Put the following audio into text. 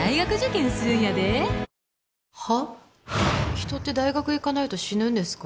人って大学行かないと死ぬんですか？